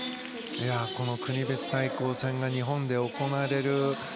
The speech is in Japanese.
この国別対抗戦が日本で行われる。